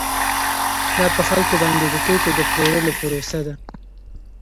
دا په خلکو باندې د توکو د پلورلو پروسه ده